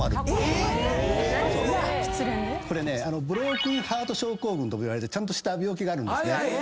ブロークンハート症候群といわれてちゃんとした病気があるんですね。